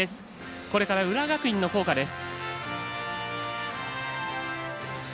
これから浦和学院の校歌です。